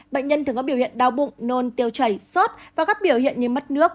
bệnh nhân thường có biểu hiện đau bụng nôn tiêu chảy sốt và các biểu hiện như mất nước